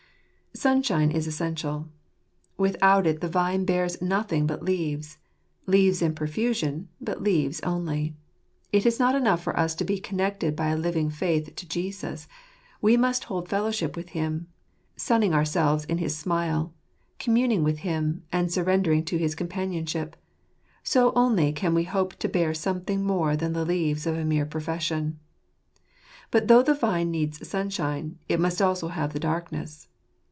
Sunshine is essential. Without it the vine bears " nothing but leaves "— leaves in profusion, but leaves only. It is not enough for us to be connected by a living faith to Jesus : we must hold fellowship with Him, sunning ourselves in his smile, communing with Him, and surrended to his companionship ; so only can we hope to bear something more than the leaves of a mere profession. But though the vine needs sunshine, it must also have the darkness.